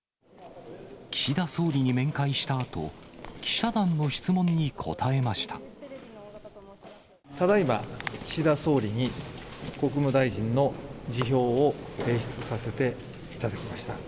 岸田総理に面会したあと、ただいま、岸田総理に国務大臣の辞表を提出させていただきました。